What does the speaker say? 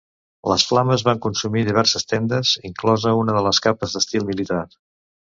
Les flames van consumir diverses tendes, inclosa una de les carpes d’estil militar.